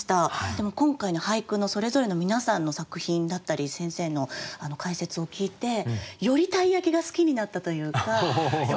でも今回の俳句のそれぞれの皆さんの作品だったり先生の解説を聞いてより鯛焼が好きになったというか。